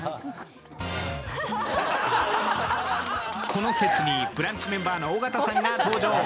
この説に「ブランチ」メンバーの尾形さんが登場。